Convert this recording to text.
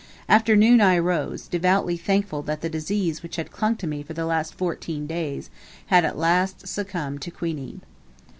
After noon I arose, devoutly thankful that the disease which had clung to me for the last fourteen days had at last succumbed to quinine.